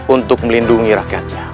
untuk melindungi rakyatnya